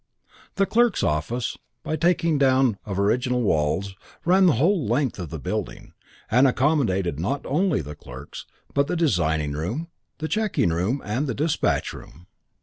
The clerks' office, by the taking down of original walls, ran the whole length of the building, and accommodated not only the clerks, but the designing room, the checking room and the dispatch room.